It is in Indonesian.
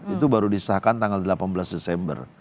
itu baru disahkan tanggal delapan belas desember